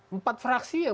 empat fraksi yang